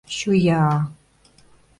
Чоя!